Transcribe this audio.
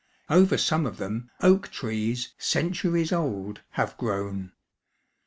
Over some of them, oak trees, centuries old, have grown.